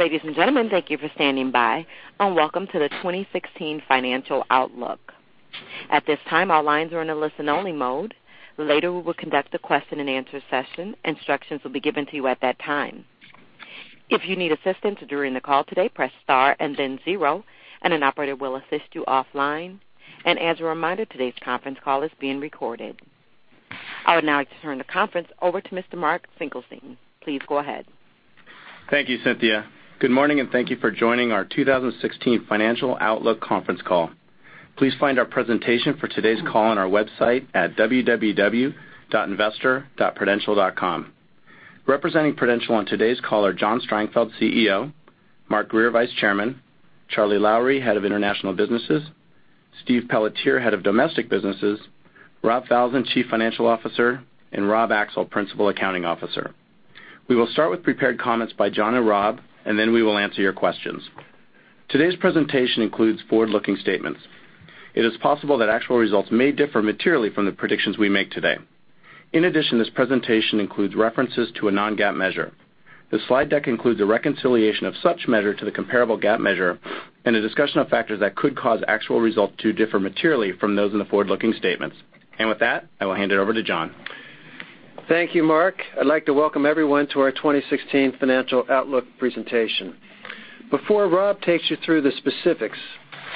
Ladies and gentlemen, thank you for standing by, welcome to the 2016 Financial Outlook. At this time, all lines are in a listen-only mode. Later, we will conduct a question-and-answer session. Instructions will be given to you at that time. If you need assistance during the call today, press star and then zero, and an operator will assist you offline. As a reminder, today's conference call is being recorded. I would now like to turn the conference over to Mr. Mark Finkelstein. Please go ahead. Thank you, Cynthia. Good morning, Thank you for joining our 2016 Financial Outlook conference call. Please find our presentation for today's call on our website at www.investor.prudential.com. Representing Prudential on today's call are John Strangfeld, CEO; Mark Grier, Vice Chairman; Charlie Lowrey, Head of International Businesses; Steve Pelletier, Head of Domestic Businesses; Rob Falzon, Chief Financial Officer; and Rob Axel, Principal Accounting Officer. We will start with prepared comments by John and Rob, then we will answer your questions. Today's presentation includes forward-looking statements. It is possible that actual results may differ materially from the predictions we make today. In addition, this presentation includes references to a non-GAAP measure. The slide deck includes a reconciliation of such measure to the comparable GAAP measure and a discussion of factors that could cause actual results to differ materially from those in the forward-looking statements. With that, I will hand it over to John. Thank you, Mark. I'd like to welcome everyone to our 2016 Financial Outlook presentation. Before Rob takes you through the specifics,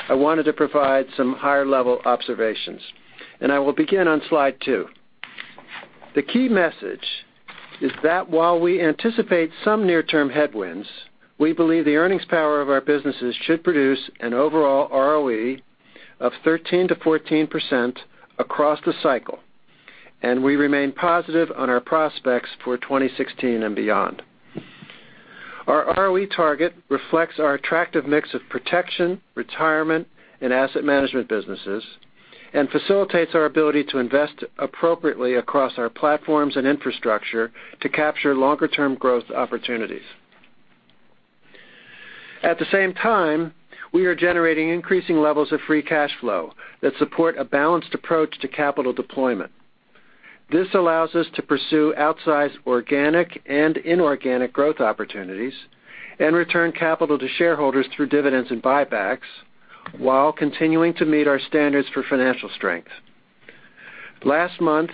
I wanted to provide some higher-level observations, I will begin on slide two. The key message is that while we anticipate some near-term headwinds, we believe the earnings power of our businesses should produce an overall ROE of 13%-14% across the cycle, we remain positive on our prospects for 2016 and beyond. Our ROE target reflects our attractive mix of protection, retirement, and asset management businesses facilitates our ability to invest appropriately across our platforms and infrastructure to capture longer-term growth opportunities. At the same time, we are generating increasing levels of free cash flow that support a balanced approach to capital deployment. This allows us to pursue outsized organic and inorganic growth opportunities and return capital to shareholders through dividends and buybacks while continuing to meet our standards for financial strength. Last month,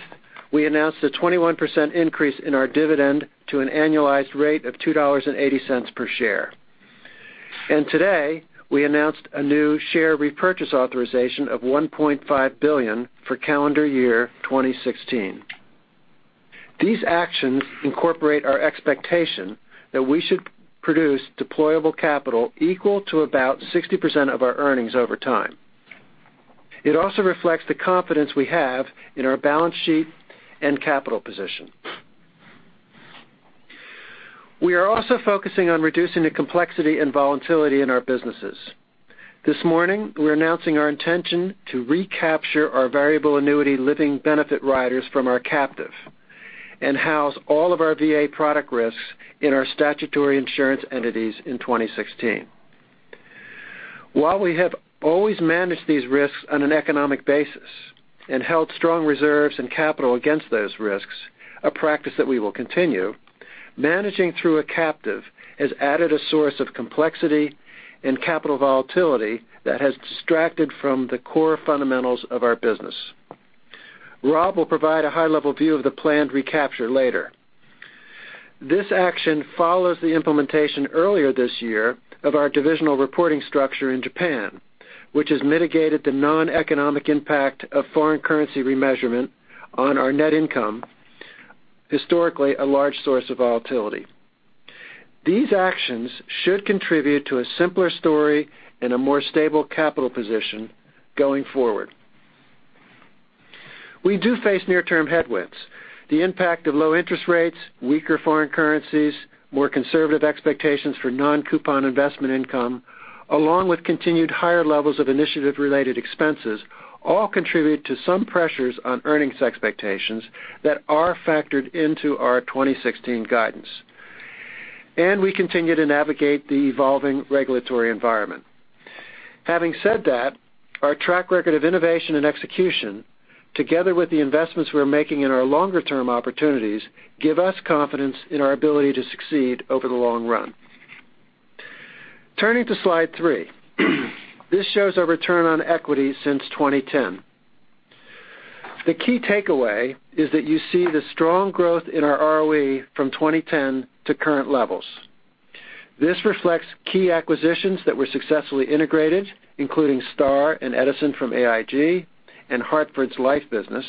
we announced a 21% increase in our dividend to an annualized rate of $2.80 per share. Today, we announced a new share repurchase authorization of $1.5 billion for calendar year 2016. These actions incorporate our expectation that we should produce deployable capital equal to about 60% of our earnings over time. It also reflects the confidence we have in our balance sheet and capital position. We are also focusing on reducing the complexity and volatility in our businesses. This morning, we're announcing our intention to recapture our variable annuity living benefit riders from our captive and house all of our VA product risks in our statutory insurance entities in 2016. While we have always managed these risks on an economic basis and held strong reserves and capital against those risks, a practice that we will continue, managing through a captive has added a source of complexity and capital volatility that has distracted from the core fundamentals of our business. Rob will provide a high-level view of the planned recapture later. This action follows the implementation earlier this year of our divisional reporting structure in Japan, which has mitigated the non-economic impact of foreign currency remeasurement on our net income, historically a large source of volatility. These actions should contribute to a simpler story and a more stable capital position going forward. We do face near-term headwinds. The impact of low interest rates, weaker foreign currencies, more conservative expectations for non-coupon investment income, along with continued higher levels of initiative-related expenses, all contribute to some pressures on earnings expectations that are factored into our 2016 guidance. We continue to navigate the evolving regulatory environment. Having said that, our track record of innovation and execution, together with the investments we're making in our longer-term opportunities, give us confidence in our ability to succeed over the long run. Turning to slide three. This shows our return on equity since 2010. The key takeaway is that you see the strong growth in our ROE from 2010 to current levels. This reflects key acquisitions that were successfully integrated, including Star and Edison from AIG and Hartford's life business,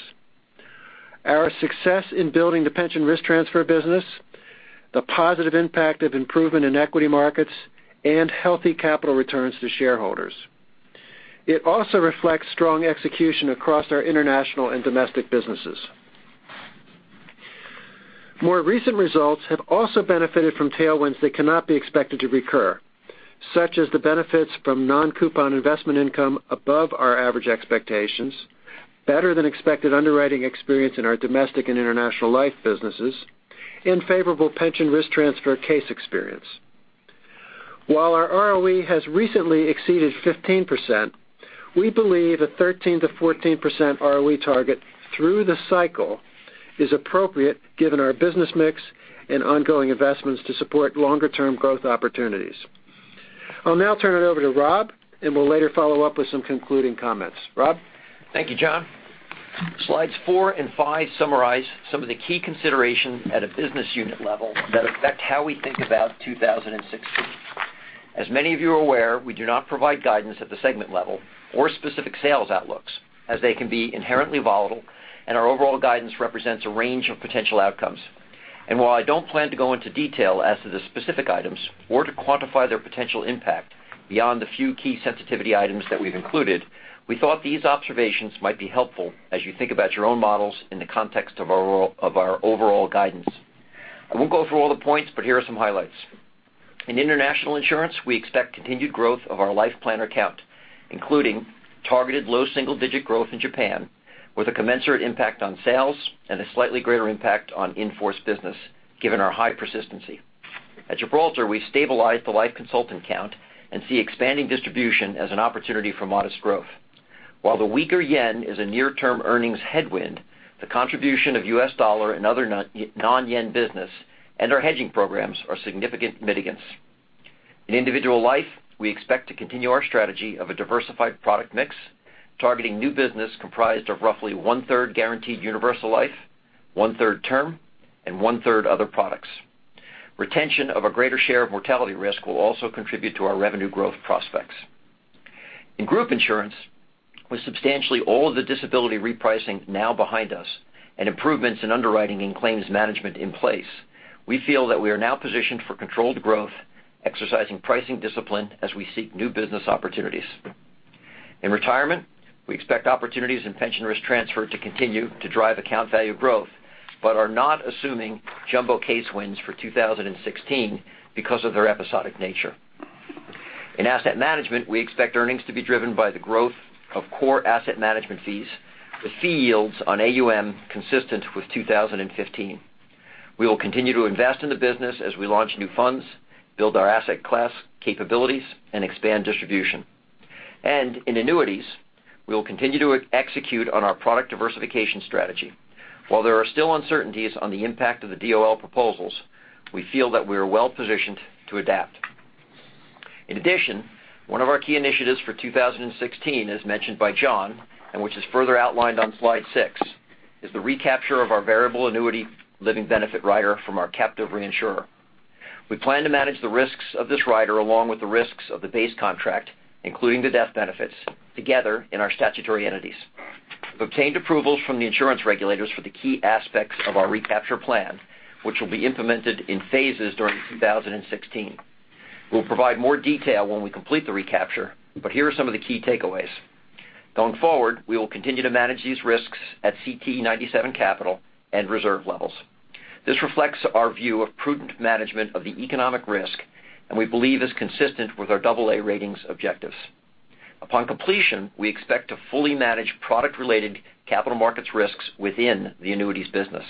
our success in building the pension risk transfer business, the positive impact of improvement in equity markets, and healthy capital returns to shareholders. It also reflects strong execution across our international and domestic businesses. More recent results have also benefited from tailwinds that cannot be expected to recur, such as the benefits from non-coupon investment income above our average expectations, better-than-expected underwriting experience in our domestic and international life businesses, and favorable pension risk transfer case experience. While our ROE has recently exceeded 15%, we believe a 13%-14% ROE target through the cycle is appropriate given our business mix and ongoing investments to support longer-term growth opportunities. I'll now turn it over to Rob, and we'll later follow up with some concluding comments. Rob? Thank you, John. Slides four and five summarize some of the key considerations at a business unit level that affect how we think about 2016. As many of you are aware, we do not provide guidance at the segment level or specific sales outlooks, as they can be inherently volatile, and our overall guidance represents a range of potential outcomes. While I don't plan to go into detail as to the specific items or to quantify their potential impact beyond the few key sensitivity items that we've included, we thought these observations might be helpful as you think about your own models in the context of our overall guidance. I won't go through all the points, but here are some highlights. In international insurance, we expect continued growth of our Life Planner count, including targeted low single-digit growth in Japan with a commensurate impact on sales and a slightly greater impact on in-force business, given our high persistency. At Gibraltar, we stabilized the Life Consultant count and see expanding distribution as an opportunity for modest growth. While the weaker yen is a near-term earnings headwind, the contribution of US dollar and other non-yen business and our hedging programs are significant mitigants. In individual life, we expect to continue our strategy of a diversified product mix, targeting new business comprised of roughly one-third guaranteed universal life, one-third term, and one-third other products. Retention of a greater share of mortality risk will also contribute to our revenue growth prospects. In group insurance, with substantially all of the disability repricing now behind us and improvements in underwriting and claims management in place, we feel that we are now positioned for controlled growth, exercising pricing discipline as we seek new business opportunities. In retirement, we expect opportunities in pension risk transfer to continue to drive account value growth but are not assuming jumbo case wins for 2016 because of their episodic nature. In asset management, we expect earnings to be driven by the growth of core asset management fees, with fee yields on AUM consistent with 2015. We will continue to invest in the business as we launch new funds, build our asset class capabilities, and expand distribution. In annuities, we will continue to execute on our product diversification strategy. While there are still uncertainties on the impact of the DOL proposals, we feel that we are well-positioned to adapt. In addition, one of our key initiatives for 2016, as mentioned by John, and which is further outlined on slide six, is the recapture of our variable annuity living benefit rider from our captive reinsurer. We plan to manage the risks of this rider along with the risks of the base contract, including the death benefits, together in our statutory entities. We've obtained approvals from the insurance regulators for the key aspects of our recapture plan, which will be implemented in phases during 2016. We'll provide more detail when we complete the recapture, but here are some of the key takeaways. Going forward, we will continue to manage these risks at CTE 97 capital and reserve levels. This reflects our view of prudent management of the economic risk and we believe is consistent with our AA ratings objectives. Upon completion, we expect to fully manage product-related capital markets risks within the annuities business.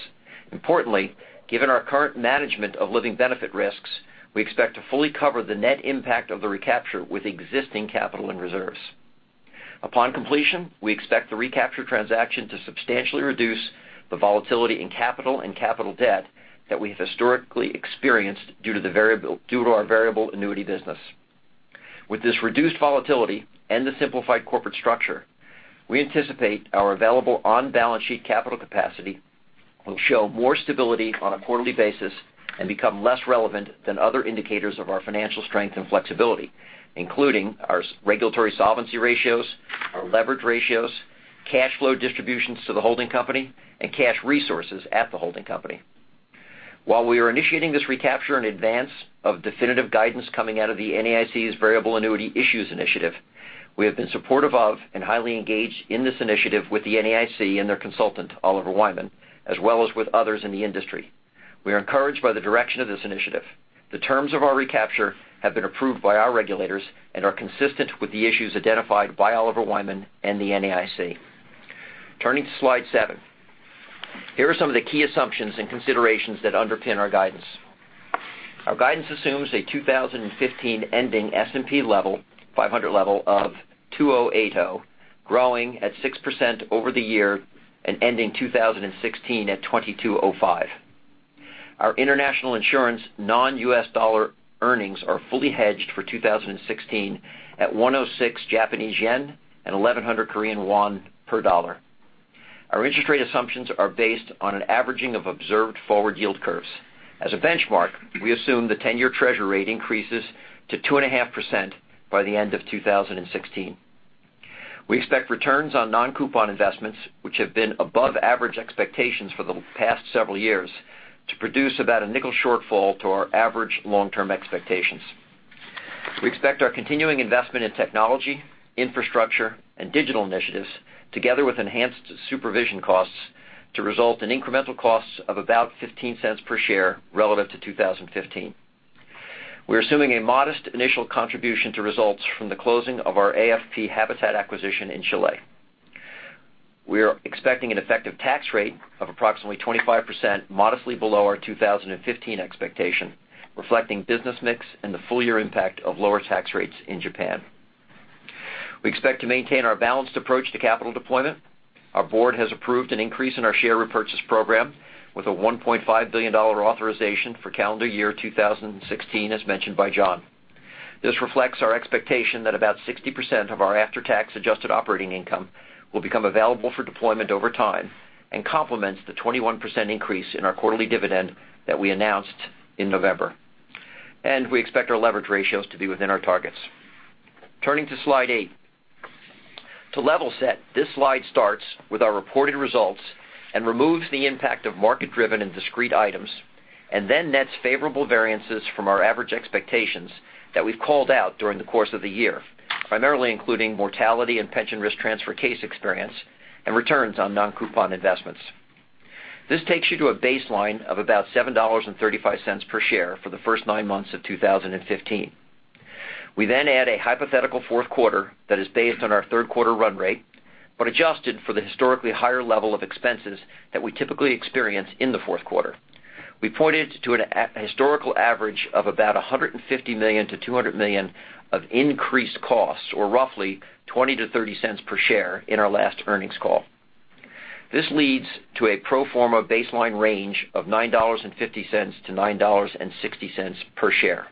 Importantly, given our current management of living benefit risks, we expect to fully cover the net impact of the recapture with existing capital and reserves. Upon completion, we expect the recapture transaction to substantially reduce the volatility in capital and capital debt that we have historically experienced due to our variable annuity business. With this reduced volatility and the simplified corporate structure, we anticipate our available on-balance sheet capital capacity will show more stability on a quarterly basis and become less relevant than other indicators of our financial strength and flexibility, including our regulatory solvency ratios, our leverage ratios, cash flow distributions to the holding company, and cash resources at the holding company. While we are initiating this recapture in advance of definitive guidance coming out of the NAIC's Variable Annuity Issues Initiative, we have been supportive of and highly engaged in this initiative with the NAIC and their consultant, Oliver Wyman, as well as with others in the industry. We are encouraged by the direction of this initiative. The terms of our recapture have been approved by our regulators and are consistent with the issues identified by Oliver Wyman and the NAIC. Turning to slide seven. Here are some of the key assumptions and considerations that underpin our guidance. Our guidance assumes a 2015 ending S&P 500 level of 2,080, growing at 6% over the year and ending 2016 at 2,205. Our international insurance non-U.S. dollar earnings are fully hedged for 2016 at 106 Japanese yen and 1,100 Korean won per dollar. Our interest rate assumptions are based on an averaging of observed forward yield curves. As a benchmark, we assume the 10-year Treasury rate increases to 2.5% by the end of 2016. We expect returns on non-coupon investments, which have been above average expectations for the past several years, to produce about a $0.05 shortfall to our average long-term expectations. We expect our continuing investment in technology, infrastructure, and digital initiatives, together with enhanced supervision costs, to result in incremental costs of about $0.15 per share relative to 2015. We are assuming a modest initial contribution to results from the closing of our AFP Habitat acquisition in Chile. We are expecting an effective tax rate of approximately 25%, modestly below our 2015 expectation, reflecting business mix and the full year impact of lower tax rates in Japan. We expect to maintain our balanced approach to capital deployment. Our board has approved an increase in our share repurchase program with a $1.5 billion authorization for calendar year 2016, as mentioned by John. This reflects our expectation that about 60% of our after-tax adjusted operating income will become available for deployment over time and complements the 21% increase in our quarterly dividend that we announced in November. We expect our leverage ratios to be within our targets. Turning to slide eight. To level set, this slide starts with our reported results and removes the impact of market-driven and discrete items, and then nets favorable variances from our average expectations that we've called out during the course of the year, primarily including mortality and pension risk transfer case experience and returns on non-coupon investments. This takes you to a baseline of about $7.35 per share for the first nine months of 2015. We add a hypothetical fourth quarter that is based on our third quarter run rate, but adjusted for the historically higher level of expenses that we typically experience in the fourth quarter. We pointed to a historical average of about $150 million-$200 million of increased costs, or roughly $0.20-$0.30 per share in our last earnings call. This leads to a pro forma baseline range of $9.50-$9.60 per share.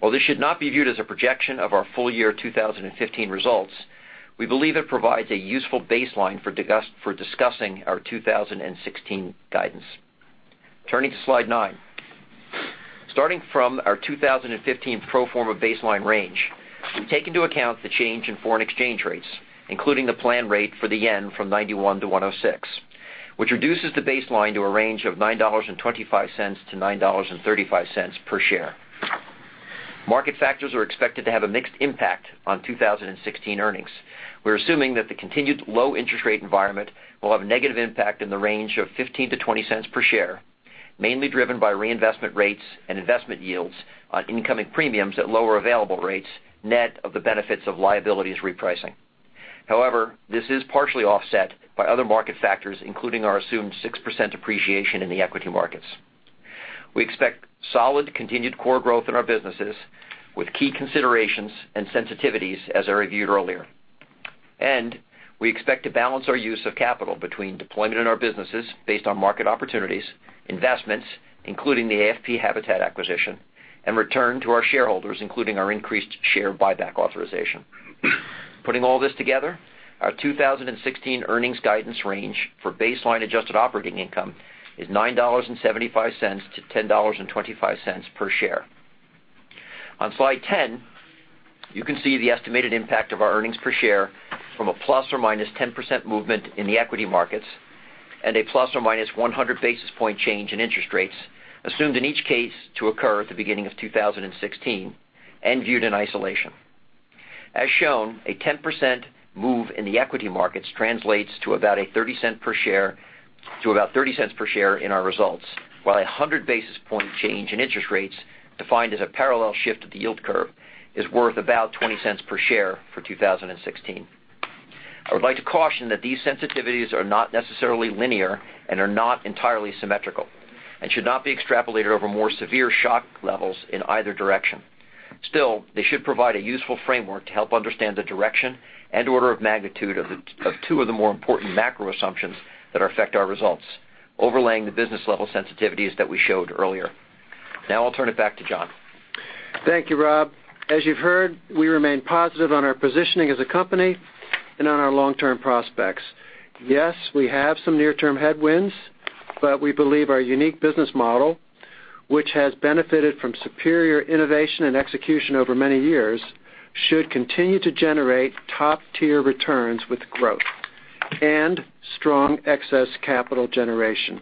While this should not be viewed as a projection of our full year 2015 results, we believe it provides a useful baseline for discussing our 2016 guidance. Turning to slide nine. Starting from our 2015 pro forma baseline range, we take into account the change in foreign exchange rates, including the plan rate for the JPY from 91 to 106, which reduces the baseline to a range of $9.25-$9.35 per share. Market factors are expected to have a mixed impact on 2016 earnings. We're assuming that the continued low interest rate environment will have a negative impact in the range of $0.15-$0.20 per share, mainly driven by reinvestment rates and investment yields on incoming premiums at lower available rates, net of the benefits of liabilities repricing. However, this is partially offset by other market factors, including our assumed 6% appreciation in the equity markets. We expect solid continued core growth in our businesses with key considerations and sensitivities as I reviewed earlier, and we expect to balance our use of capital between deployment in our businesses based on market opportunities, investments, including the AFP Habitat acquisition, and return to our shareholders, including our increased share buyback authorization. Putting all this together, our 2016 earnings guidance range for baseline adjusted operating income is $9.75-$10.25 per share. On slide 10, you can see the estimated impact of our earnings per share from a ±10% movement in the equity markets, and a ±100 basis point change in interest rates, assumed in each case to occur at the beginning of 2016 and viewed in isolation. As shown, a 10% move in the equity markets translates to about $0.30 per share in our results, while 100 basis point change in interest rates, defined as a parallel shift of the yield curve, is worth about $0.20 per share for 2016. I would like to caution that these sensitivities are not necessarily linear and are not entirely symmetrical and should not be extrapolated over more severe shock levels in either direction. They should provide a useful framework to help understand the direction and order of magnitude of two of the more important macro assumptions that affect our results, overlaying the business level sensitivities that we showed earlier. Now I'll turn it back to John. Thank you, Rob. As you've heard, we remain positive on our positioning as a company and on our long-term prospects. Yes, we have some near-term headwinds, but we believe our unique business model, which has benefited from superior innovation and execution over many years, should continue to generate top-tier returns with growth and strong excess capital generation.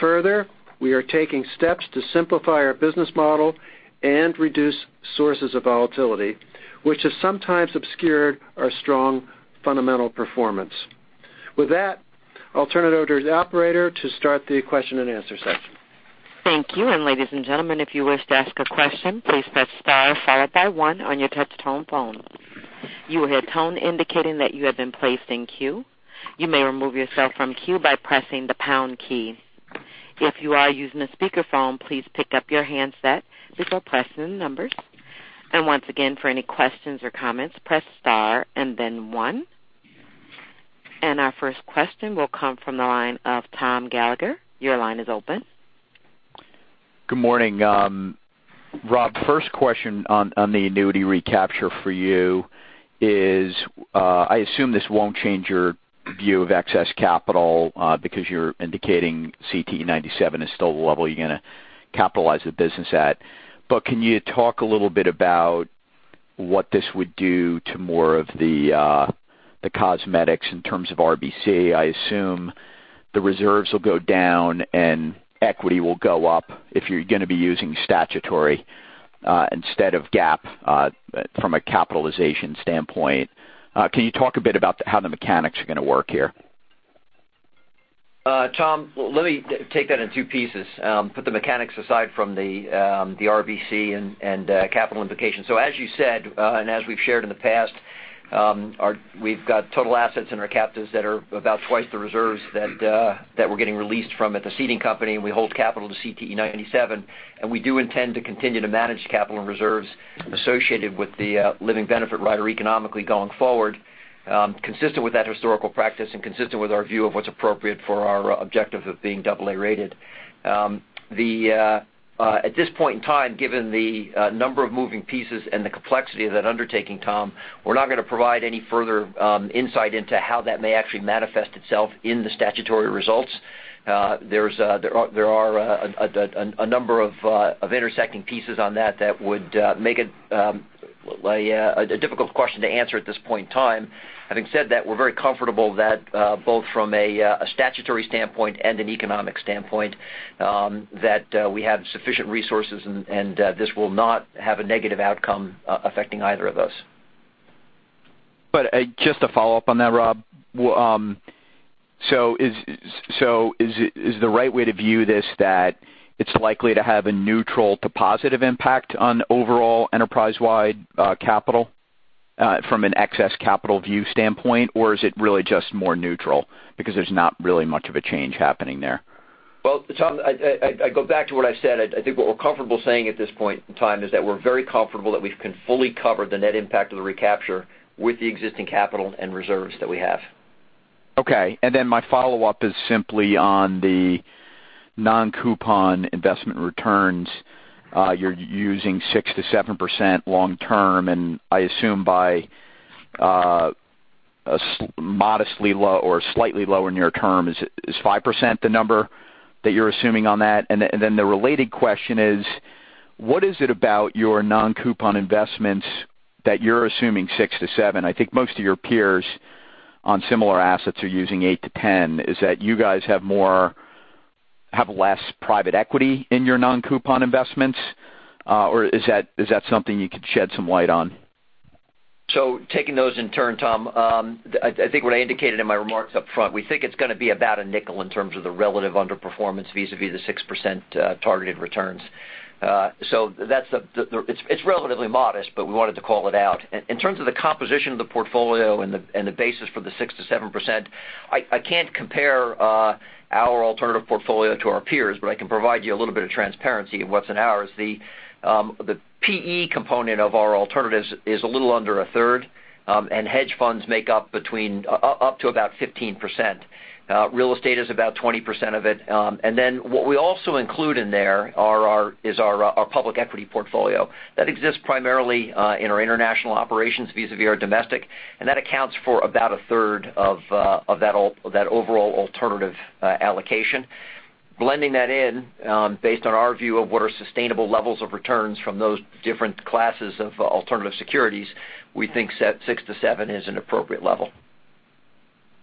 Further, we are taking steps to simplify our business model and reduce sources of volatility, which has sometimes obscured our strong fundamental performance. With that, I'll turn it over to the operator to start the question and answer session. Thank you. Ladies and gentlemen, if you wish to ask a question, please press star followed by one on your touch tone phone. You will hear a tone indicating that you have been placed in queue. You may remove yourself from queue by pressing the pound key. If you are using a speakerphone, please pick up your handset before pressing the numbers. Once again, for any questions or comments, press star and then one. Our first question will come from the line of Thomas Gallagher. Your line is open. Good morning. Rob, first question on the annuity recapture for you is, I assume this won't change your view of excess capital because you're indicating CTE 97 is still the level you're going to capitalize the business at. Can you talk a little bit about what this would do to more of the cosmetics in terms of RBC? I assume the reserves will go down and equity will go up if you're going to be using statutory instead of GAAP from a capitalization standpoint. Can you talk a bit about how the mechanics are going to work here? Tom, let me take that in two pieces. Put the mechanics aside from the RBC and capital implications. As you said, as we've shared in the past, we've got total assets in our captives that are about twice the reserves that we're getting released from at the ceding company, we hold capital to CTE 97. We do intend to continue to manage capital and reserves associated with the living benefit rider economically going forward, consistent with that historical practice and consistent with our view of what's appropriate for our objective of being AA-rated. At this point in time, given the number of moving pieces and the complexity of that undertaking, Tom, we're not going to provide any further insight into how that may actually manifest itself in the statutory results. There are a number of intersecting pieces on that that would make it a difficult question to answer at this point in time. Having said that, we're very comfortable that both from a statutory standpoint and an economic standpoint, that we have sufficient resources and this will not have a negative outcome affecting either of those. Just to follow up on that, Rob. Is the right way to view this that it's likely to have a neutral to positive impact on overall enterprise-wide capital from an excess capital view standpoint? Is it really just more neutral because there's not really much of a change happening there? Well, Tom, I go back to what I said. I think what we're comfortable saying at this point in time is that we're very comfortable that we can fully cover the net impact of the recapture with the existing capital and reserves that we have. Okay, my follow-up is simply on the non-coupon investment returns. You're using 6%-7% long term. I assume by modestly low or slightly lower near term, is 5% the number that you're assuming on that? The related question is, what is it about your non-coupon investments that you're assuming 6%-7%? I think most of your peers on similar assets are using 8%-10%. Is that you guys have less private equity in your non-coupon investments? Is that something you could shed some light on? Taking those in turn, Tom, I think what I indicated in my remarks up front, we think it's going to be about a nickel in terms of the relative underperformance vis-à-vis the 6% targeted returns. It's relatively modest, but we wanted to call it out. In terms of the composition of the portfolio and the basis for the 6%-7%, I can't compare our alternative portfolio to our peers, but I can provide you a little bit of transparency in what's in ours. The PE component of our alternatives is a little under a third, and hedge funds make up to about 15%. Real estate is about 20% of it. What we also include in there is our public equity portfolio. That exists primarily in our international operations vis-à-vis our domestic, and that accounts for about a third of that overall alternative allocation. Blending that in based on our view of what are sustainable levels of returns from those different classes of alternative securities, we think 6%-7% is an appropriate level.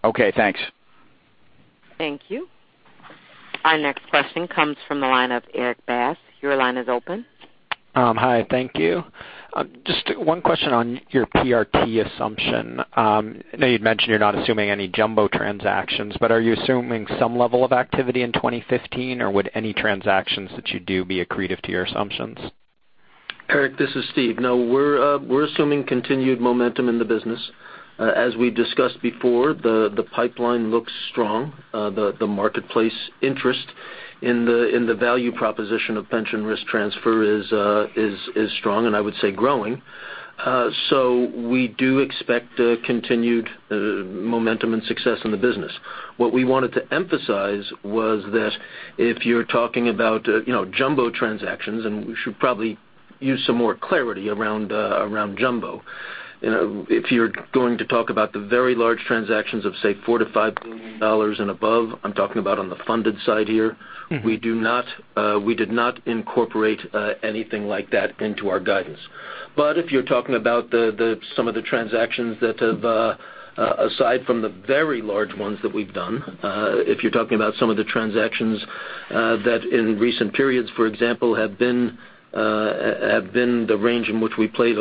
Okay, thanks. Thank you. Our next question comes from the line of Erik Bass. Your line is open. Hi, thank you. Just one question on your PRT assumption. I know you'd mentioned you're not assuming any jumbo transactions, are you assuming some level of activity in 2015, or would any transactions that you do be accretive to your assumptions? Erik, this is Stephen. No, we're assuming continued momentum in the business. As we discussed before, the pipeline looks strong. The marketplace interest in the value proposition of pension risk transfer is strong and I would say growing. We do expect continued momentum and success in the business. What we wanted to emphasize was that if you're talking about jumbo transactions, we should probably use some more clarity around jumbo. If you're going to talk about the very large transactions of, say, $4 billion-$5 billion and above, I'm talking about on the funded side here, we did not incorporate anything like that into our guidance. If you're talking about some of the transactions that have, aside from the very large ones that we've done, if you're talking about some of the transactions that in recent periods, for example, have been the range in which we play at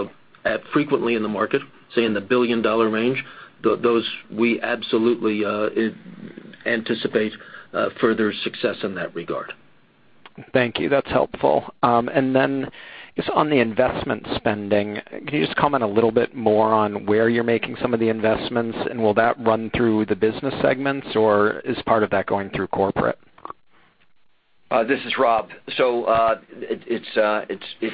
frequently in the market, say in the billion-dollar range, those we absolutely anticipate further success in that regard. Thank you. That's helpful. Just on the investment spending, can you just comment a little bit more on where you're making some of the investments, will that run through the business segments, or is part of that going through corporate? This is Rob. It's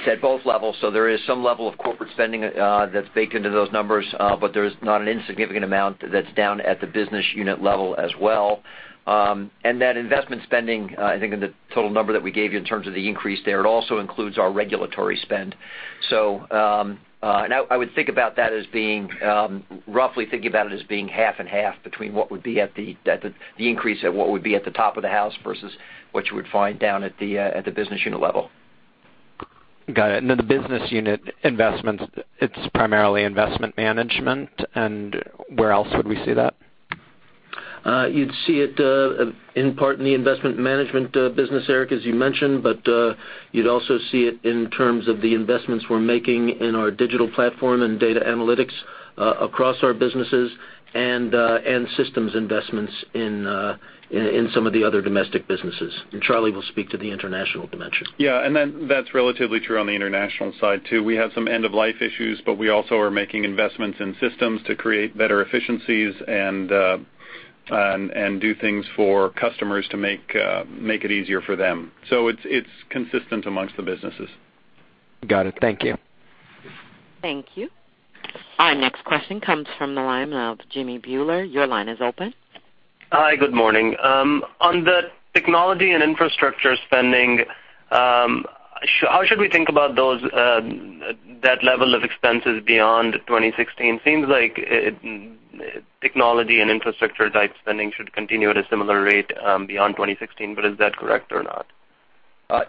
at both levels. There is some level of corporate spending that's baked into those numbers. There's not an insignificant amount that's down at the business unit level as well. That investment spending, I think in the total number that we gave you in terms of the increase there, it also includes our regulatory spend. I would roughly think about it as being half and half between what would be at the increase at what would be at the top of the house versus what you would find down at the business unit level. Got it. Then the business unit investments, it's primarily investment management, and where else would we see that? You'd see it in part in the investment management business, Erik, as you mentioned. You'd also see it in terms of the investments we're making in our digital platform and data analytics across our businesses and systems investments in some of the other domestic businesses. Charlie will speak to the international dimension. Yeah. Then that's relatively true on the international side too. We have some end-of-life issues. We also are making investments in systems to create better efficiencies and do things for customers to make it easier for them. It's consistent amongst the businesses. Got it. Thank you. Thank you. Our next question comes from the line of Jimmy Bhullar. Your line is open. Hi, good morning. On the technology and infrastructure spending, how should we think about that level of expenses beyond 2016? Seems like technology and infrastructure type spending should continue at a similar rate beyond 2016, is that correct or not?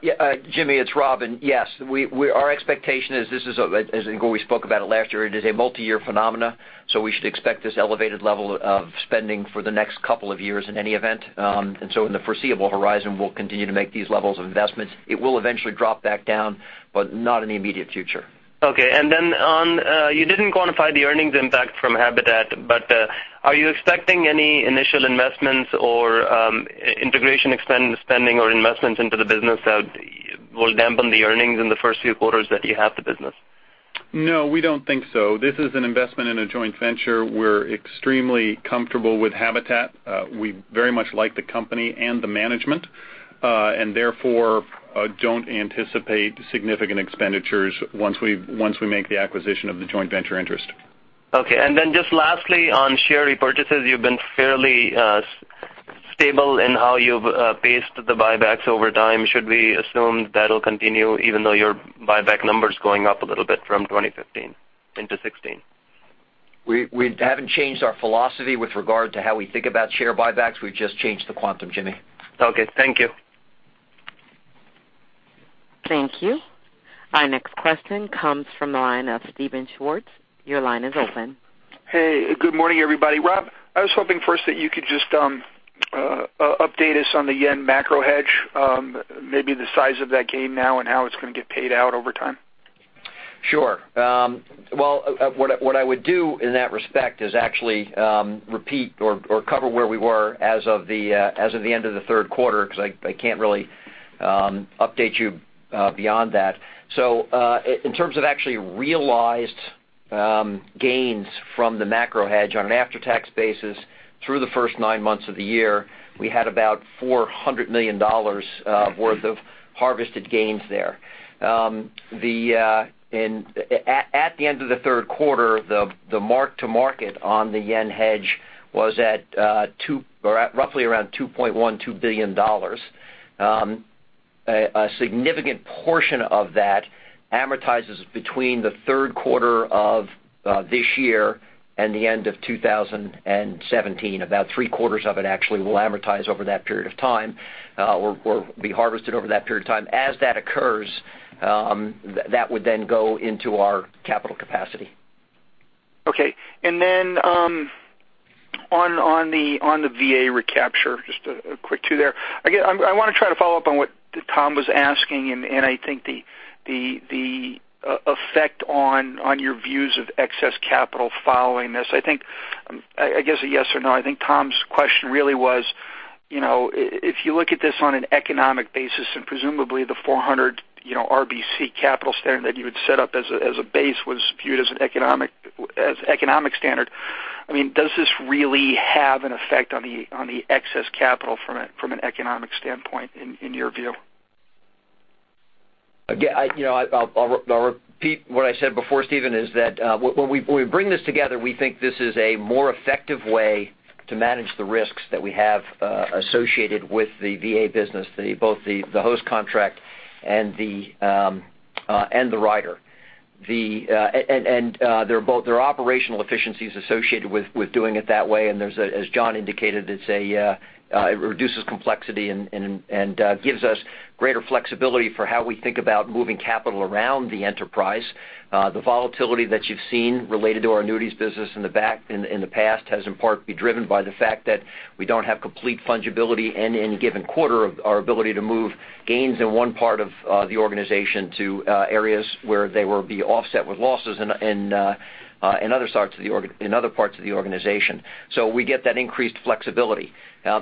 Yeah, Jimmy, it's Rob. Yes, our expectation is this is, as we spoke about it last year, it is a multi-year phenomena. We should expect this elevated level of spending for the next couple of years in any event. In the foreseeable horizon, we'll continue to make these levels of investments. It will eventually drop back down, not in the immediate future. Okay. You didn't quantify the earnings impact from AFP Habitat, are you expecting any initial investments or integration spending or investments into the business that will dampen the earnings in the first few quarters that you have the business? No, we don't think so. This is an investment in a joint venture. We're extremely comfortable with AFP Habitat. Therefore don't anticipate significant expenditures once we make the acquisition of the joint venture interest. Okay. Just lastly, on share repurchases, you've been fairly stable in how you've paced the buybacks over time. Should we assume that'll continue even though your buyback number's going up a little bit from 2015 into 2016? We haven't changed our philosophy with regard to how we think about share buybacks. We've just changed the quantum, Jimmy. Okay. Thank you. Thank you. Our next question comes from the line of Steven Schwartz. Your line is open. Hey, good morning, everybody. Rob, I was hoping first that you could just update us on the yen macro hedge, maybe the size of that gain now and how it's going to get paid out over time. Sure. Well, what I would do in that respect is actually repeat or cover where we were as of the end of the third quarter, because I can't really update you beyond that. In terms of actually realized gains from the macro hedge on an after-tax basis through the first nine months of the year, we had about $400 million worth of harvested gains there. At the end of the third quarter, the mark to market on the yen hedge was at roughly around $2.12 billion. A significant portion of that amortizes between the third quarter of this year and the end of 2017. About three-quarters of it actually will amortize over that period of time, or be harvested over that period of time. As that occurs, that would then go into our capital capacity. Okay. On the VA recapture, just a quick two there. I want to try to follow up on what Tom was asking, and I think the effect on your views of excess capital following this. I think, I guess a yes or no. I think Tom's question really was, if you look at this on an economic basis, and presumably the 400 RBC capital standard that you had set up as a base was viewed as economic standard. Does this really have an effect on the excess capital from an economic standpoint in your view? I'll repeat what I said before, Steven, is that when we bring this together, we think this is a more effective way to manage the risks that we have associated with the VA business, both the host contract and the rider. There are operational efficiencies associated with doing it that way, and as John indicated, it reduces complexity and gives us greater flexibility for how we think about moving capital around the enterprise. The volatility that you've seen related to our annuities business in the past has in part been driven by the fact that we don't have complete fungibility in any given quarter of our ability to move gains in one part of the organization to areas where they will be offset with losses in other parts of the organization. We get that increased flexibility.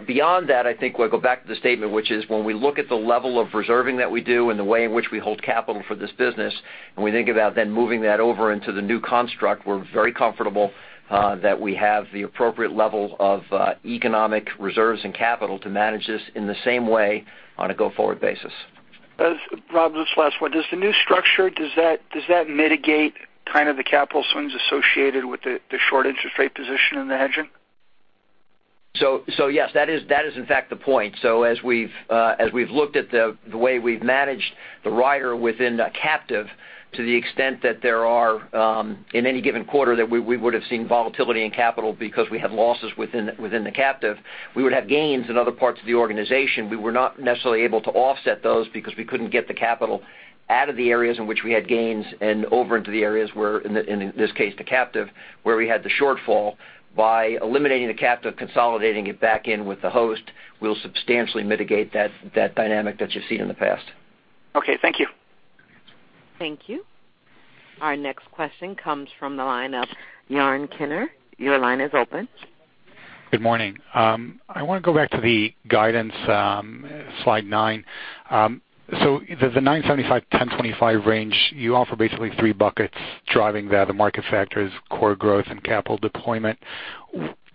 Beyond that, I think we'll go back to the statement, which is when we look at the level of reserving that we do and the way in which we hold capital for this business, and we think about then moving that over into the new construct, we're very comfortable that we have the appropriate level of economic reserves and capital to manage this in the same way on a go-forward basis. Rob, this is the last one. Does the new structure, does that mitigate kind of the capital swings associated with the short interest rate position in the hedging? Yes, that is in fact the point. As we've looked at the way we've managed the rider within the captive to the extent that there are in any given quarter that we would have seen volatility in capital because we have losses within the captive, we would have gains in other parts of the organization. We were not necessarily able to offset those because we couldn't get the capital out of the areas in which we had gains and over into the areas where, in this case, the captive, where we had the shortfall. By eliminating the captive, consolidating it back in with the Host, we'll substantially mitigate that dynamic that you've seen in the past. Okay, thank you. Thank you. Our next question comes from the line of Yaron Kinar. Your line is open. Good morning. I want to go back to the guidance, slide nine. The 975, 1,025 range, you offer basically three buckets driving that, the market factors, core growth and capital deployment.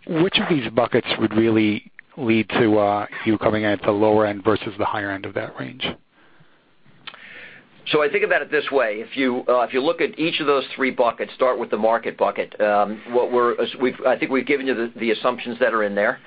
Which of these buckets would really lead to you coming in at the lower end versus the higher end of that range? I think about it this way. If you look at each of those three buckets, start with the market bucket. I think we've given you the assumptions that are in there.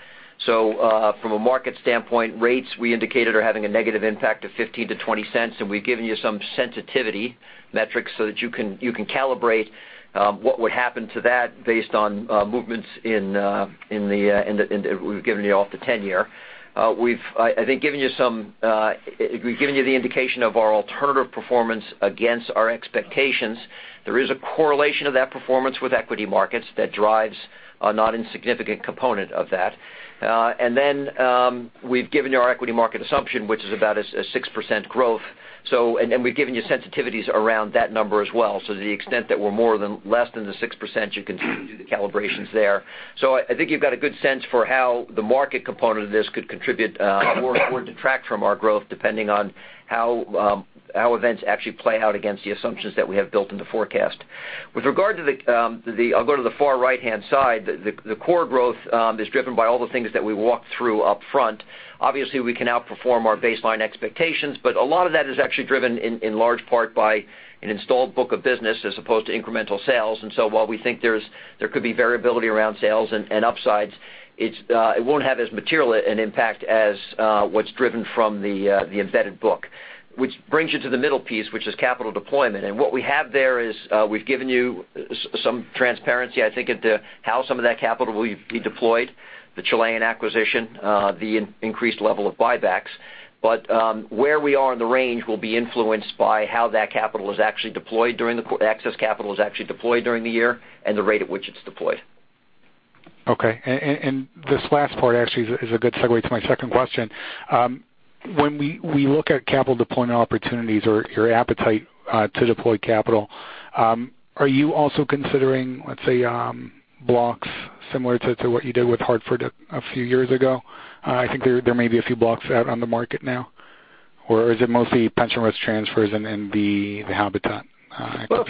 From a market standpoint, rates we indicated are having a negative impact of $0.15-$0.20, and we've given you some sensitivity metrics so that you can calibrate what would happen to that based on movements in the, we've given you all the 10-year. We've, I think, given you the indication of our alternative performance against our expectations. There is a correlation of that performance with equity markets that drives a not insignificant component of that. We've given you our equity market assumption, which is about a 6% growth. We've given you sensitivities around that number as well. To the extent that we're more than less than the 6%, you can do the calibrations there. I think you've got a good sense for how the market component of this could contribute or detract from our growth depending on how events actually play out against the assumptions that we have built in the forecast. I'll go to the far right-hand side. The core growth is driven by all the things that we walked through upfront. Obviously, we can outperform our baseline expectations, but a lot of that is actually driven in large part by an installed book of business as opposed to incremental sales. While we think there could be variability around sales and upsides, it won't have as material an impact as what's driven from the embedded book. Which brings you to the middle piece, which is capital deployment. What we have there is we've given you some transparency, I think, at how some of that capital will be deployed, the Chilean acquisition, the increased level of buybacks. Where we are in the range will be influenced by how that excess capital is actually deployed during the year and the rate at which it's deployed. Okay. This last part actually is a good segue to my second question. When we look at capital deployment opportunities or your appetite to deploy capital, are you also considering, let's say, blocks similar to what you did with Hartford a few years ago? I think there may be a few blocks out on the market now. Or is it mostly pension risk transfers and the Habitat acquisition? Well,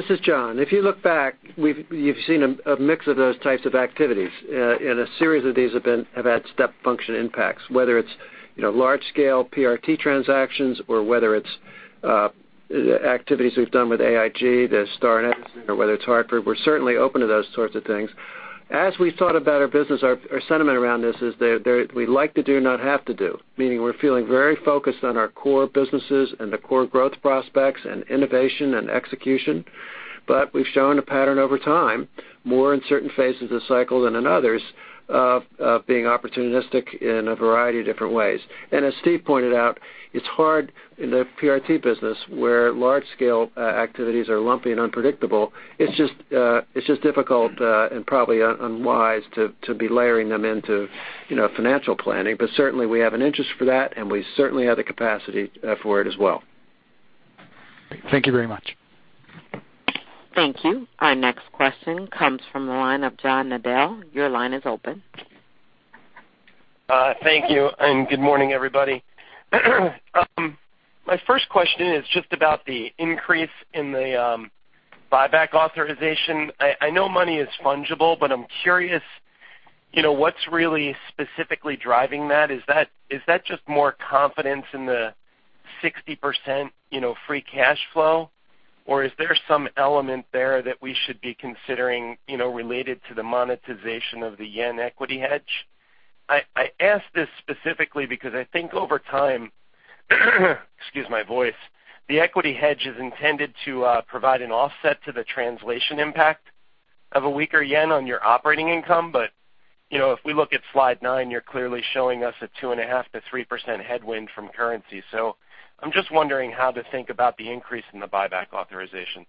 this is John. If you look back, you've seen a mix of those types of activities. A series of these have had step function impacts, whether it's large scale PRT transactions or whether it's activities we've done with AIG, the Star incident or whether it's Hartford. We're certainly open to those sorts of things. As we thought about our business, our sentiment around this is we like to do, not have to do, meaning we're feeling very focused on our core businesses and the core growth prospects and innovation and execution. We've shown a pattern over time, more in certain phases of the cycle than in others, of being opportunistic in a variety of different ways. As Steve pointed out, it's hard in the PRT business where large scale activities are lumpy and unpredictable. It's just difficult and probably unwise to be layering them into financial planning. Certainly we have an interest for that and we certainly have the capacity for it as well. Thank you very much. Thank you. Our next question comes from the line of John Nadel. Your line is open. Thank you, and good morning, everybody. My first question is just about the increase in the buyback authorization. I know money is fungible. I'm curious, what's really specifically driving that? Is that just more confidence in the 60% free cash flow, or is there some element there that we should be considering related to the monetization of the yen equity hedge? I ask this specifically because I think over time, excuse my voice, the equity hedge is intended to provide an offset to the translation impact of a weaker yen on your operating income. If we look at slide nine, you're clearly showing us a 2.5%-3% headwind from currency. I'm just wondering how to think about the increase in the buyback authorization.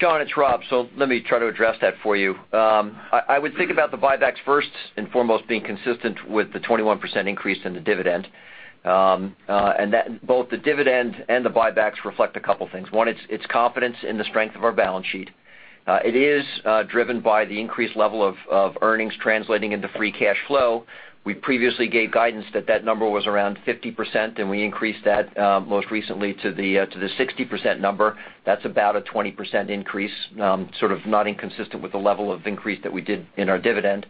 John, it's Rob. Let me try to address that for you. I would think about the buybacks first and foremost being consistent with the 21% increase in the dividend. Both the dividend and the buybacks reflect a couple things. One, it's confidence in the strength of our balance sheet. It is driven by the increased level of earnings translating into free cash flow. We previously gave guidance that that number was around 50%. We increased that most recently to the 60% number. That's about a 20% increase, sort of not inconsistent with the level of increase that we did in our dividend.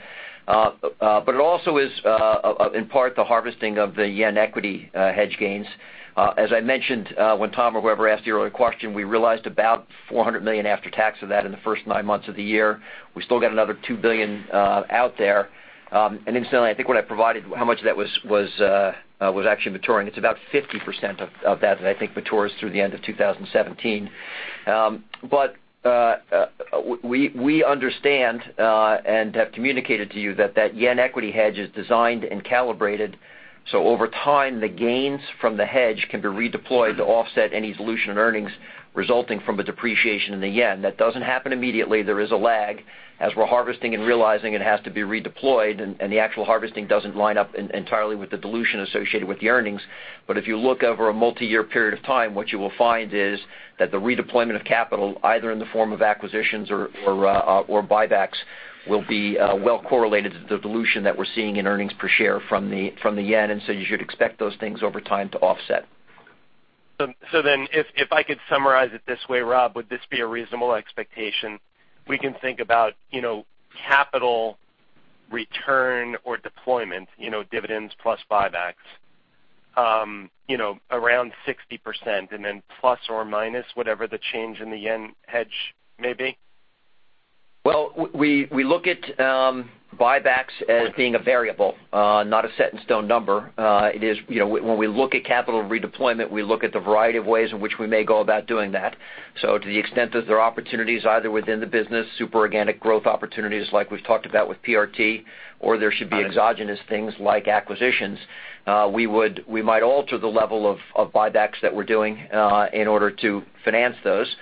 It also is in part the harvesting of the yen equity hedge gains. As I mentioned when Tom or whoever asked the earlier question, we realized about $400 million after tax of that in the first nine months of the year. We still got another $2 billion out there. Incidentally, I think when I provided how much of that was actually maturing, it's about 50% of that I think matures through the end of 2017. We understand and have communicated to you that that yen equity hedge is designed and calibrated. Over time, the gains from the hedge can be redeployed to offset any dilution in earnings resulting from the depreciation in the yen. That doesn't happen immediately. There is a lag, as we're harvesting and realizing it has to be redeployed. The actual harvesting doesn't line up entirely with the dilution associated with the earnings. If you look over a multi-year period of time, what you will find is that the redeployment of capital, either in the form of acquisitions or buybacks, will be well correlated to the dilution that we're seeing in earnings per share from the yen. You should expect those things over time to offset. If I could summarize it this way, Rob, would this be a reasonable expectation? We can think about capital return or deployment, dividends plus buybacks, around 60% and then plus or minus whatever the change in the yen hedge may be? We look at buybacks as being a variable, not a set-in-stone number. When we look at capital redeployment, we look at the variety of ways in which we may go about doing that. To the extent that there are opportunities either within the business, super organic growth opportunities like we've talked about with PRT, or there should be exogenous things like acquisitions, we might alter the level of buybacks that we're doing in order to finance those.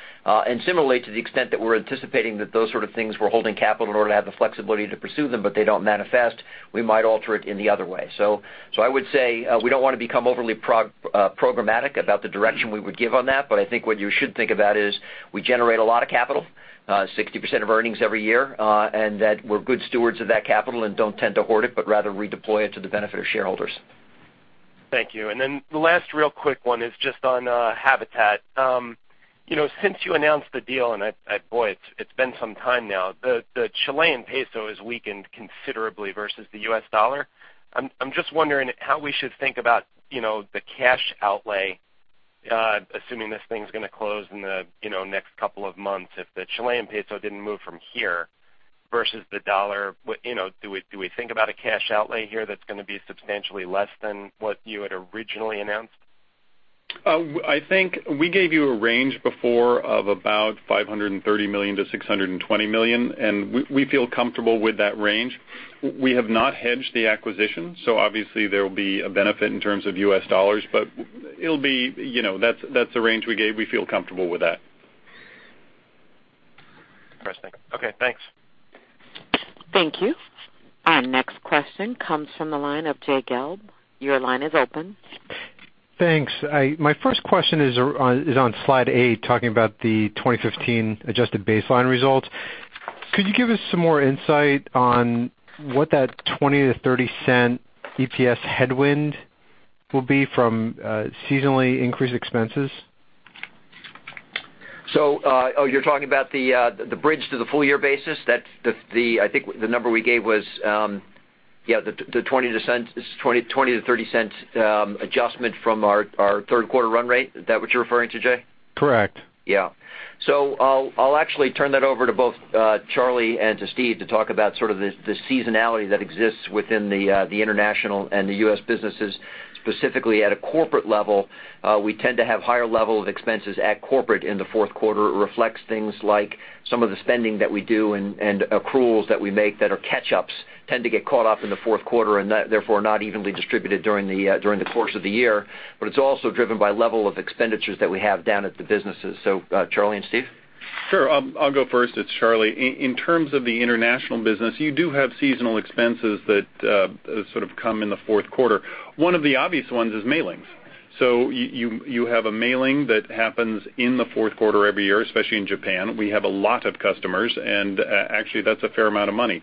Similarly, to the extent that we're anticipating that those sort of things, we're holding capital in order to have the flexibility to pursue them, but they don't manifest, we might alter it in the other way. I would say we don't want to become overly programmatic about the direction we would give on that, but I think what you should think about is we generate a lot of capital, 60% of earnings every year, and that we're good stewards of that capital and don't tend to hoard it, but rather redeploy it to the benefit of shareholders. Thank you. The last real quick one is just on Habitat. Since you announced the deal, and boy, it's been some time now, the Chilean peso has weakened considerably versus the US dollar. I'm just wondering how we should think about the cash outlay, assuming this thing's going to close in the next couple of months, if the Chilean peso didn't move from here versus the dollar. Do we think about a cash outlay here that's going to be substantially less than what you had originally announced? I think we gave you a range before of about $530 million-$620 million, and we feel comfortable with that range. We have not hedged the acquisition, so obviously there will be a benefit in terms of U.S. dollars, but that's the range we gave. We feel comfortable with that. Interesting. Okay, thanks. Thank you. Our next question comes from the line of Jay Gelb. Your line is open. Thanks. My first question is on slide eight, talking about the 2015 adjusted baseline results. Could you give us some more insight on what that $0.20-$0.30 EPS headwind will be from seasonally increased expenses? You're talking about the bridge to the full-year basis? I think the number we gave was the $0.20 to $0.30 adjustment from our third quarter run rate. Is that what you're referring to, Jay? Correct. I'll actually turn that over to both Charlie and to Steve to talk about sort of the seasonality that exists within the international and the U.S. businesses. Specifically, at a corporate level, we tend to have higher level of expenses at corporate in the fourth quarter. It reflects things like some of the spending that we do and accruals that we make that are catch-ups tend to get caught up in the fourth quarter and therefore not evenly distributed during the course of the year. It's also driven by level of expenditures that we have down at the businesses. Charlie and Steve? Sure, I'll go first. It's Charlie. In terms of the international business, you do have seasonal expenses that sort of come in the fourth quarter. One of the obvious ones is mailings. You have a mailing that happens in the fourth quarter every year, especially in Japan. We have a lot of customers, and actually, that's a fair amount of money.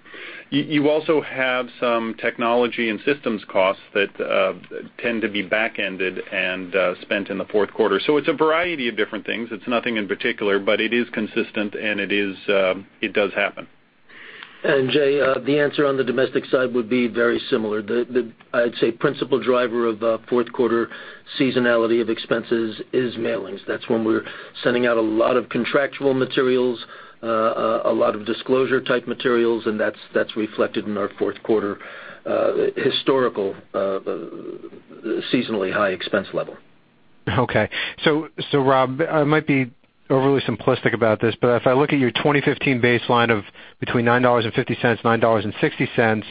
You also have some technology and systems costs that tend to be back-ended and spent in the fourth quarter. It's a variety of different things. It's nothing in particular, but it is consistent, and it does happen. Jay, the answer on the domestic side would be very similar. I'd say principal driver of fourth quarter seasonality of expenses is mailings. That's when we're sending out a lot of contractual materials, a lot of disclosure type materials, and that's reflected in our fourth quarter historical seasonally high expense level. Okay. Rob, I might be overly simplistic about this, if I look at your 2015 baseline of between $9.50, $9.60,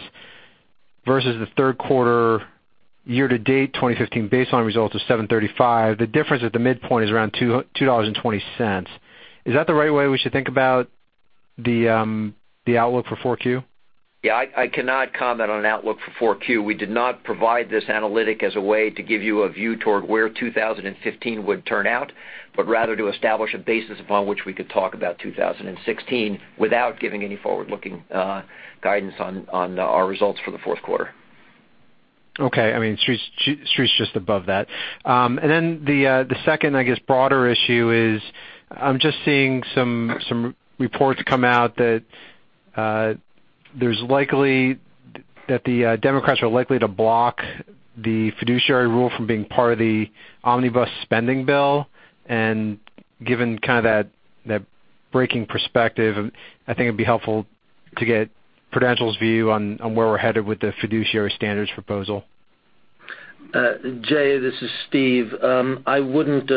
versus the third quarter year-to-date 2015 baseline results of $7.35, the difference at the midpoint is around $2.20. Is that the right way we should think about the outlook for 4Q? Yeah, I cannot comment on an outlook for 4Q. We did not provide this analytic as a way to give you a view toward where 2015 would turn out, rather to establish a basis upon which we could talk about 2016 without giving any forward-looking guidance on our results for the fourth quarter. Okay. The street's just above that. Then the second, I guess, broader issue is I'm just seeing some reports come out that the Democrats are likely to block the fiduciary rule from being part of the omnibus spending bill. Given that breaking perspective, I think it'd be helpful to get Prudential's view on where we're headed with the fiduciary standards proposal. Jay, this is Steve. I wouldn't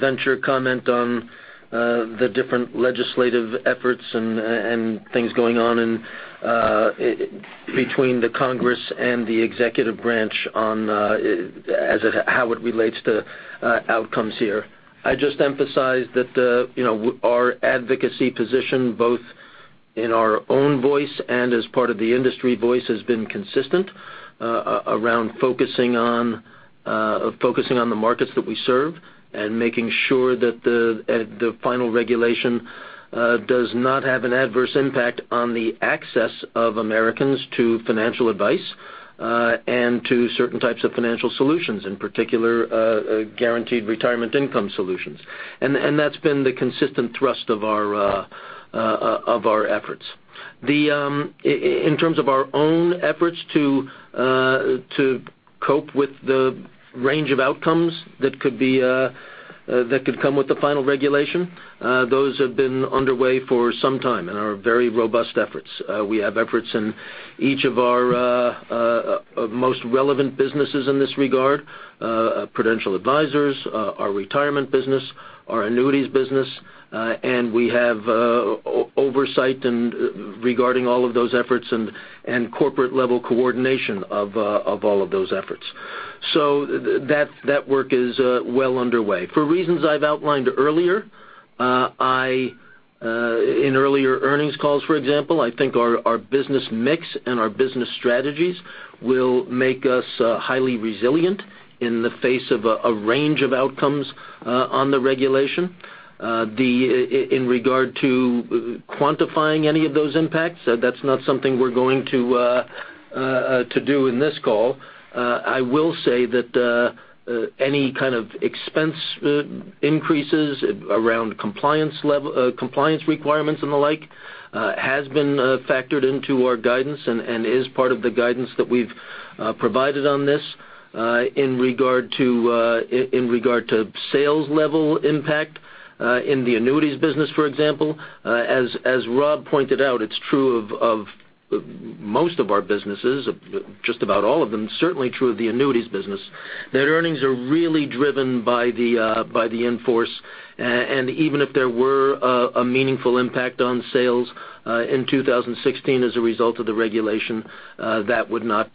venture a comment on the different legislative efforts and things going on between the Congress and the executive branch on how it relates to outcomes here. I just emphasize that our advocacy position, both in our own voice and as part of the industry voice, has been consistent around focusing on the markets that we serve and making sure that the final regulation does not have an adverse impact on the access of Americans to financial advice and to certain types of financial solutions, in particular, guaranteed retirement income solutions. That's been the consistent thrust of our efforts. In terms of our own efforts to cope with the range of outcomes that could come with the final regulation, those have been underway for some time and are very robust efforts. We have efforts in each of our most relevant businesses in this regard, Prudential Advisors, our retirement business, our annuities business, and we have oversight regarding all of those efforts and corporate level coordination of all of those efforts. That work is well underway. For reasons I've outlined earlier, in earlier earnings calls, for example, I think our business mix and our business strategies will make us highly resilient in the face of a range of outcomes on the regulation. In regard to quantifying any of those impacts, that's not something we're going to do in this call. I will say that any kind of expense increases around compliance requirements and the like, has been factored into our guidance and is part of the guidance that we've provided on this. In regard to sales level impact in the annuities business, for example, as Rob pointed out, it's true of most of our businesses, just about all of them, certainly true of the annuities business, that earnings are really driven by the in-force. Even if there were a meaningful impact on sales in 2016 as a result of the regulation, that would not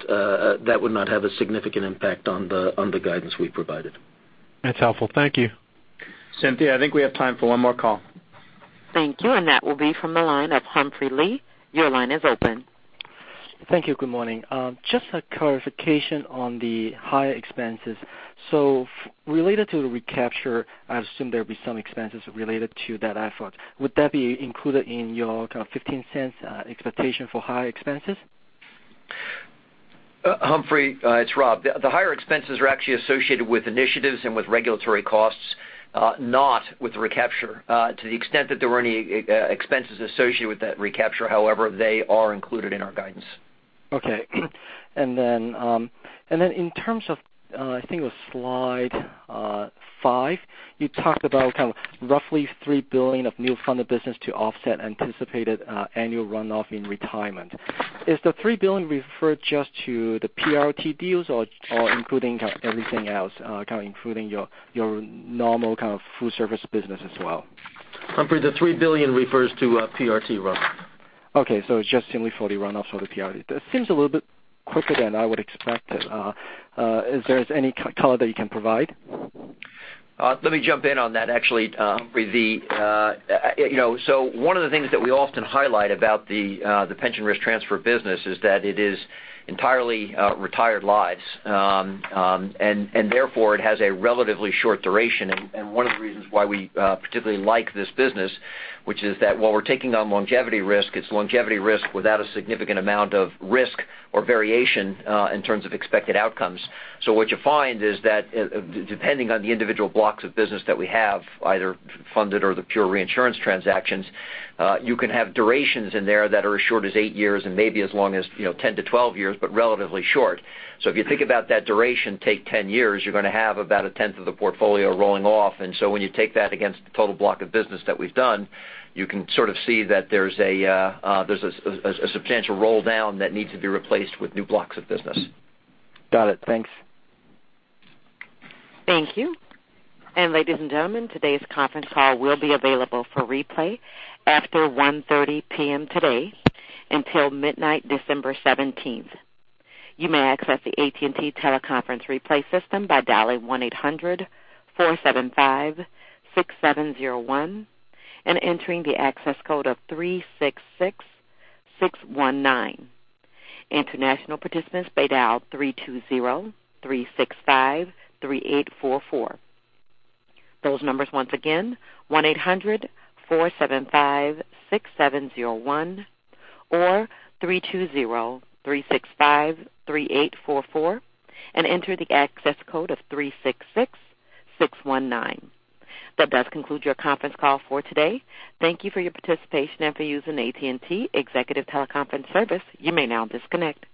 have a significant impact on the guidance we provided. That's helpful. Thank you. Cynthia, I think we have time for one more call. Thank you, that will be from the line of Humphrey Lee. Your line is open. Thank you. Good morning. Just a clarification on the higher expenses. Related to the recapture, I assume there will be some expenses related to that effort. Would that be included in your kind of $0.15 expectation for higher expenses? Humphrey, it's Rob. The higher expenses are actually associated with initiatives and with regulatory costs, not with recapture. To the extent that there were any expenses associated with that recapture, however, they are included in our guidance. Okay. In terms of, I think it was slide five, you talked about kind of roughly $3 billion of new funded business to offset anticipated annual runoff in retirement. Is the $3 billion referred just to the PRT deals or including kind of everything else, kind of including your normal kind of full-service business as well? Humphrey, the $3 billion refers to PRT runoff. Okay, it's just simply for the runoff for the PRT. That seems a little bit quicker than I would expect it. Is there any color that you can provide? Let me jump in on that, actually, Humphrey. One of the things that we often highlight about the pension risk transfer business is that it is entirely retired lives. Therefore, it has a relatively short duration. One of the reasons why we particularly like this business, which is that while we're taking on longevity risk, it's longevity risk without a significant amount of risk or variation in terms of expected outcomes. What you find is that depending on the individual blocks of business that we have, either funded or the pure reinsurance transactions, you can have durations in there that are as short as eight years and maybe as long as 10 to 12 years, but relatively short. If you think about that duration, take 10 years, you're going to have about a tenth of the portfolio rolling off. When you take that against the total block of business that we've done, you can sort of see that there's a substantial roll down that needs to be replaced with new blocks of business. Got it. Thanks. Thank you. Ladies and gentlemen, today's conference call will be available for replay after 1:30 P.M. today until midnight December 17th. You may access the AT&T teleconference replay system by dialing 1-800-475-6701 and entering the access code of 366619. International participants may dial 3203653844. Those numbers once again, 1-800-475-6701 or 3203653844 and enter the access code of 366619. That does conclude your conference call for today. Thank you for your participation and for using AT&T Executive Teleconference Service. You may now disconnect.